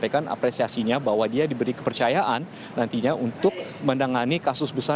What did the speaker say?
memberikan apresiasinya bahwa dia diberi kepercayaan nantinya untuk menangani kasus besar